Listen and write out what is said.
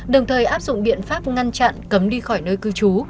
đồng thời áp dụng biện pháp ngăn chặn cấm đi khỏi nơi cư trú